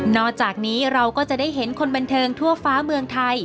อกจากนี้เราก็จะได้เห็นคนบันเทิงทั่วฟ้าเมืองไทย